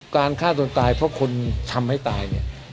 การฆ่าตนตายเพราะคนทำให้ตาย